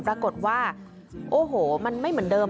ปรากฏว่าโอ้โหมันไม่เหมือนเดิม